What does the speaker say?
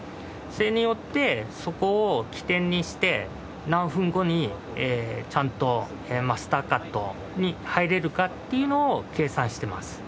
それによってそこを起点にして何分後にちゃんとマスターカットに入れるかっていうのを計算してます。